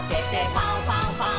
ファンファンファン！」